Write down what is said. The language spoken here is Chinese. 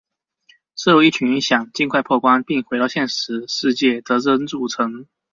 是由一群想尽快破关并回到现实世界的人组成。